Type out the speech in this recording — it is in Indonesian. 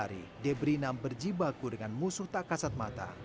dua hari debrina berjibaku dengan musuh tak kasat mata